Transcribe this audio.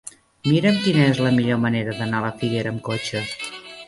Mira'm quina és la millor manera d'anar a la Figuera amb cotxe.